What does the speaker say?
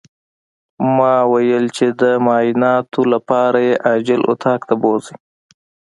ما ويل چې د معايناتو لپاره يې عاجل اتاق ته بوځئ.